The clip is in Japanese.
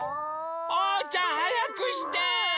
おうちゃんはやくして！